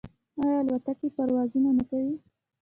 آیا الوتکې پروازونه نه کوي؟